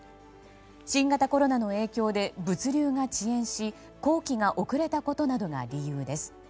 新型コロナの影響で物流が遅延し工期が遅れたことなどが理由です。